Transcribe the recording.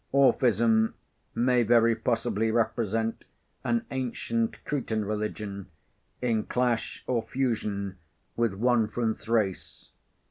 Orphism may very possibly represent an ancient Cretan religion in clash or fusion with one from Thrace.